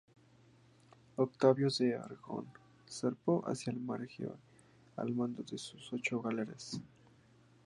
Octavio de Aragón zarpó hacia el mar Egeo al mando de sus ocho galeras.